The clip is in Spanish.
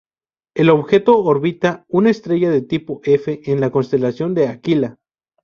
El objeto orbita una estrella del tipo F en la constelación de Aquila.